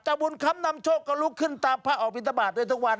เจ้าบุญคำนำโชคก็ทิ้งรบขึ้นตามพระออกบิณฑบาตทุกวัน